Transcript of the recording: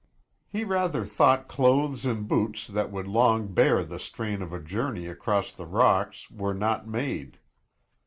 He rather thought clothes and boots that would long bear the strain of a journey across the rocks were not made.